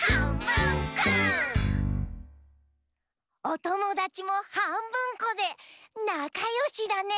おともだちもはんぶんこでなかよしだね！